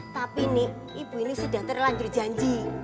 tapi nik ibu ini sudah terlanjur janji